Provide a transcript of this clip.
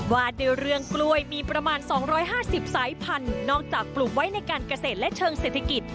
ว่าด้วยเรื่องกล้วยมีประมาณ๒๕๐สายพันธุ์นอกจากปลูกไว้ในการเกษตรและเชิงเศรษฐกิจ